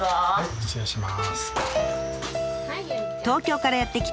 失礼します。